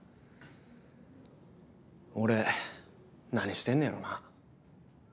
俺何してんねやろなぁ。